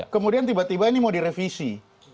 kemudian tiba tiba ini mau direvisi